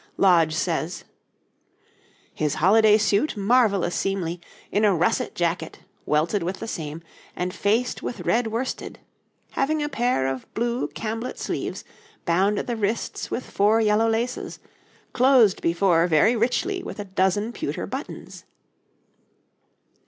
Lodge says: 'His holiday suit marvellous seemly, in a russet jacket, welted with the same, and faced with red worsted, having a pair of blue camblet sleeves, bound at the wrists with four yellow laces, closed before very richly with a dozen pewter buttons.